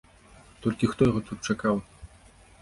Толькі хто яго тут чакаў?